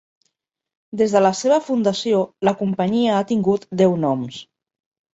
Des de la seva fundació, la companyia ha tingut deu noms.